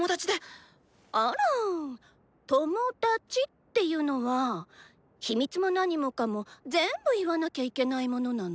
あらぁ「トモダチ」っていうのは秘密も何もかも全部言わなきゃいけないものなの？